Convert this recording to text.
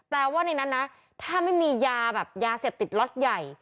ว่าในนั้นนะถ้าไม่มียาแบบยาเสพติดล็อตใหญ่